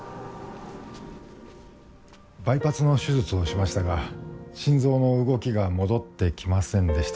バイパスの手術をしましたが心臓の動きが戻ってきませんでした。